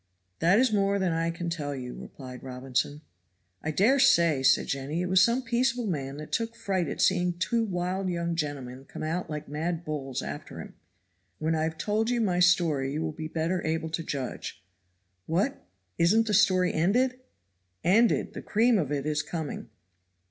"That is more than I can tell you," replied Robinson. "I dare say," said Jenny, "it was some peaceable man that took fright at seeing two wild young gentlemen come out like mad bulls after him." "When I have told you my story you will be better able to judge." "What, isn't the story ended?" "Ended? The cream of it is coming."